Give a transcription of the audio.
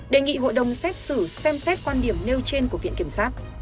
đề nghị hội đồng xét xử xem xét quan điểm nêu trên của viện kiểm sát